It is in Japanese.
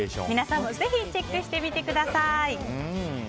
皆さんもぜひチェックしてみてください。